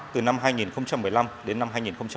từ năm hai nghìn một mươi năm đến năm hai nghìn một mươi tám